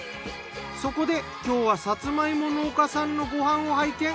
そこで今日はさつま芋農家さんのご飯を拝見。